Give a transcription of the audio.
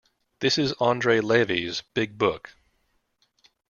This is Andrea Levy's big book.